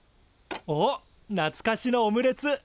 おっなつかしのオムレツ！